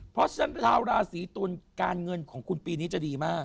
เพราะฉะนั้นชาวราศีตุลการเงินของคุณปีนี้จะดีมาก